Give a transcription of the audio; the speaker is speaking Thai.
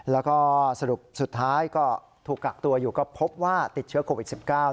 แล้วก็สรุปสุดท้ายก็ถูกกักตัวอยู่ก็พบว่าติดเชื้อโควิด๑๙